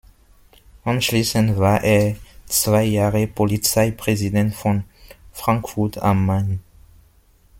Anschließend war er zwei Jahre Polizeipräsident von Frankfurt am Main.